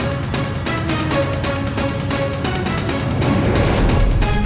pasti tebing merupakan ch tryna menemukan amin